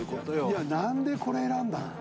い何でこれ選んだん？